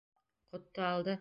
Ҡотто алды!